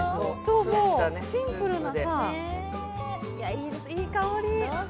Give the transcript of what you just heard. もうシンプルな、いい香り。